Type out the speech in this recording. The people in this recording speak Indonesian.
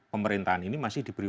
pemerintahan ini masih diberi